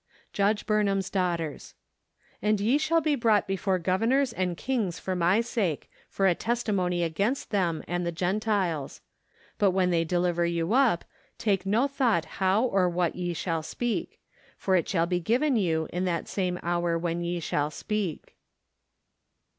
Judge Burnham's Daughters. " And ye shall be brought before governors and kings for my sake , for a testimony against them and the Gentiles. But when they deliver you up, take no thought how or what ye shall speak: for it shall be given you in that same hour what ye shall speak.'